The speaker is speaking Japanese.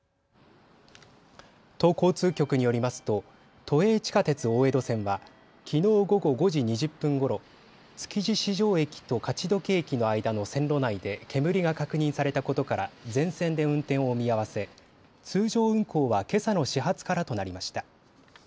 都交通局によりますと都営地下鉄大江戸線はきのう午後５時２０分ごろ築地市場駅と勝どき駅の間の線路内で煙が確認されたことから全線で運転を見合わせ通常運行はけさの始発からとなりました。